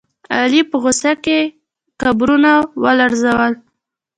علي په غوسه کې قبرونه ولړزول.